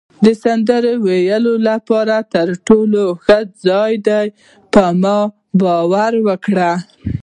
د سندرو ویلو لپاره تر ټولو ښه ځای دی، په ما باور وکړئ.